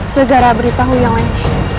segara beritahu yang lainnya